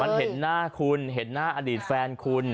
มันเห็นหน้าคุณเห็นหน้าอดีตแฟนคุณ